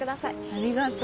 ありがとう。